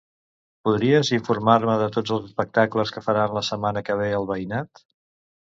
Podries informar-me de tots els espectacles que faran la setmana que ve al veïnat?